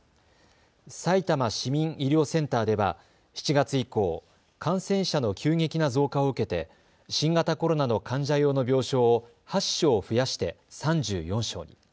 さいたま市民医療センターでは７月以降、感染者の急激な増加を受けて新型コロナの患者用の病床を８床増やして３４床に。